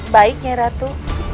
baik nyai ratu